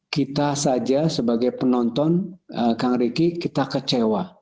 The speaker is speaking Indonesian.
kita saja sebagai penonton kang ricky kita kecewa